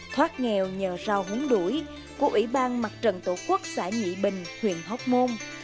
thoát nghèo nhờ rau muốn đuổi của ủy ban mặt trận tổ quốc xã nhị bình huyện hóc môn